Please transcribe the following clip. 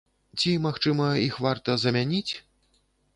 Ці, магчыма, іх варта замяніць?